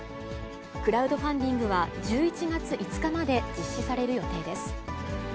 クラウドファンディングは１１月５日まで実施される予定です。